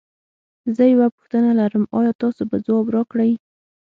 زه یوه پوښتنه لرم ایا تاسو به ځواب راکړی؟